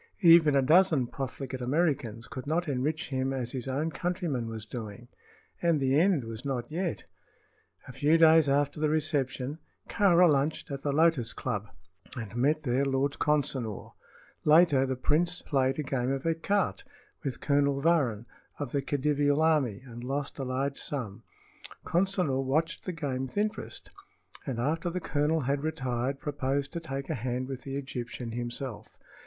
Even a dozen profligate Americans could not enrich him as his own countryman was doing. And the end was not yet. A few days after the reception Kāra lunched at the Lotus Club and met there Lord Consinor. Later the prince played a game of écarté with Colonel Varrin, of the Khedivial army, and lost a large sum. Consinor watched the game with interest, and after the colonel had retired proposed to take a hand with the Egyptian himself.